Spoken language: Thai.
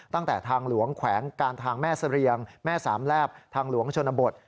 ทางหลวงแขวงการทางแม่เสรียงแม่สามแลบทางหลวงชนบท